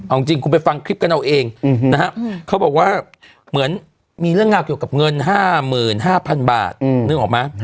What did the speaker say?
เอาจริงคุณไปฟังคลิปกันเอาเองนะฮะเขาบอกว่าเหมือนมีเรื่องราวเกี่ยวกับเงิน๕๕๐๐๐บาทนึกออกไหม